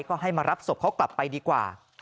ก็ให้มารับศพเขากลับไปดีกว่า